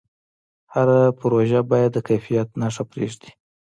هر پروژه باید د کیفیت نښه پرېږدي.